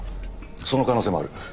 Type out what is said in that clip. その可能性もある。